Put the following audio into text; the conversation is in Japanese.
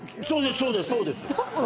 そうですそうです。